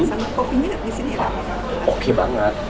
sama kopinya di sini enak enak banget oke banget